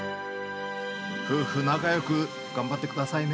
夫婦仲よく頑張ってくださいね。